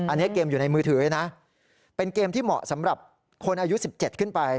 อันนี้เกมอยู่ในมือถือเลยนะเป็นเกมที่เหมาะสำหรับคนอายุ๑๗ขึ้นไป